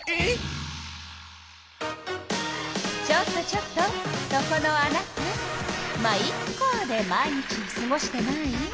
ちょっとちょっとそこのあなた「ま、イッカ」で毎日をすごしてない？